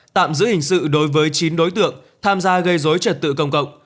tạm giữ hình sự đối với chín đối tượng tham gia gây dối trật tự công cộng